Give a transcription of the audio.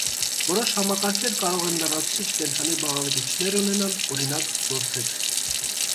Որոշ համակարգեր կարող են լրացուցիչ կենդանի բաղադրիչներ ունենալ (օրինակ՝ որդեր)։